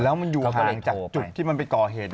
แล้วมันอยู่ห่างจากจุดที่มันไปก่อเหตุ